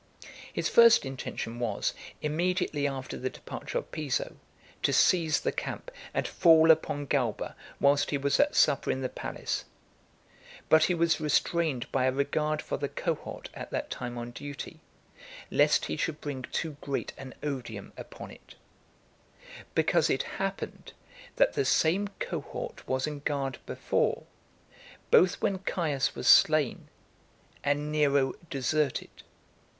VI. His first intention was, immediately after the departure of Piso, to seize the camp, and fall upon Galba, whilst he was at supper in the palace; but he was restrained by a regard for the cohort at that time on duty, lest he should bring too great an odium upon it; because it happened that the same cohort was on guard before, both when Caius was slain, and Nero deserted.